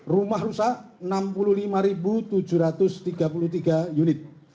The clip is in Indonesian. rumah rusak enam puluh lima tujuh ratus tiga puluh tiga unit